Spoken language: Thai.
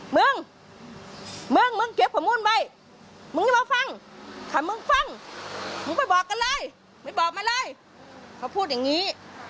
มึงไปบอกกันเลยไม่บอกมาเลยเขาพูดอย่างนี้